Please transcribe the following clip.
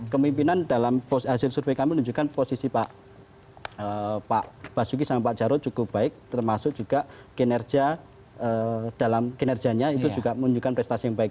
kemimpinan dalam hasil survei kami menunjukkan posisi pak basuki sama pak jarod cukup baik termasuk juga kinerja dalam kinerjanya itu juga menunjukkan prestasi yang baik